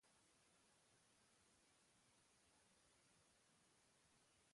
Mezu automatikoa aktibatu duzu.